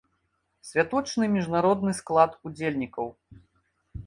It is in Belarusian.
Святочны міжнародны склад удзельнікаў.